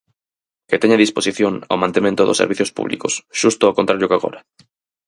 Que teña disposición ao mantemento dos servizos públicos, xusto ao contrario que agora.